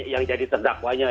yang jadi terdakwanya